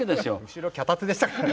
後ろ脚立でしたからね。